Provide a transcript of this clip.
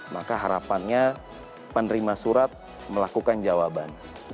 maka harapannya penerima surat melakukan jawaban